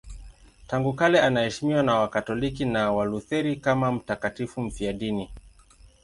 Tangu kale anaheshimiwa na Wakatoliki na Walutheri kama mtakatifu mfiadini.